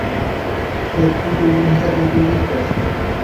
দেখ, তুই কি পুলিশের চাকরিতে যোগ দিতে চাস?